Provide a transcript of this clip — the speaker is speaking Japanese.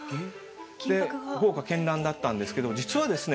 豪華絢爛だったんですけど実はですね